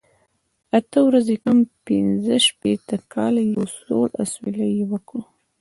اته ورځې کم پنځه شپېته کاله، یو سوړ اسویلی یې وکړ.